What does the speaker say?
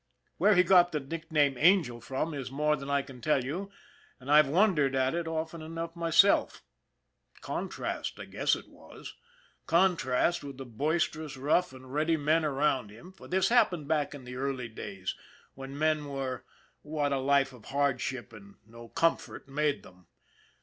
Where he got the nickname " Angel " from, is more than I can tell you, and I've wondered at it often enough myself. Contrast, I guess it was. Contrast with the boisterous, rough and ready men around him, for this happened back in the early days when men were what a life of hardship and no comfort made them.